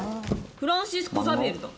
フランシスコ・ザビエルだ